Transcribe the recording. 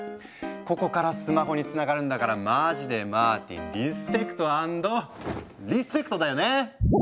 ここからスマホにつながるんだからまじでマーティンリスペクト・アンドリスペクトだよね。